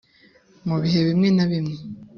mu bihe bimwe na bimwe